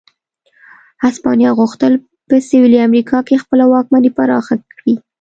هسپانیا غوښتل په سوېلي امریکا کې خپله واکمني پراخه کړي.